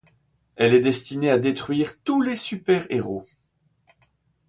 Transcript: Elle est destinée à détruire tous les super-héros.